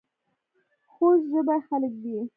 خوږ ژبې خلک دي .